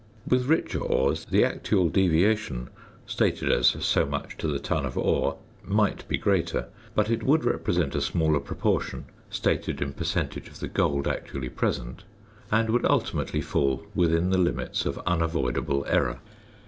With richer ores the actual deviation stated as so much to the ton of ore might be greater, but it would represent a smaller proportion, stated in percentage of the gold actually present, and would ultimately fall within the limits of unavoidable error.